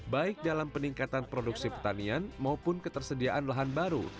baik dalam peningkatan produksi pertanian maupun ketersediaan lahan baru